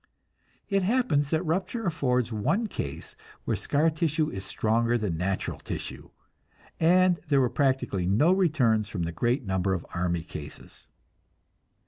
It happens that rupture affords one case where scar tissue is stronger than natural tissue, and there were practically no returns from the great number of army cases.